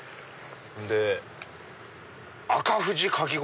で「赤富士かき氷」。